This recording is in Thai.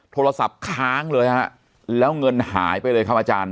ค้างเลยฮะแล้วเงินหายไปเลยครับอาจารย์